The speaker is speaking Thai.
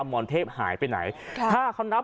อมรเทพหายไปไหน